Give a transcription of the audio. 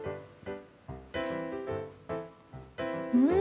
うん！